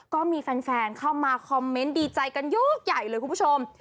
ก็มีแฟนเข้ามาคอมเมนต์ดีใจกันยกใหญ่เลยคุณผู้ชม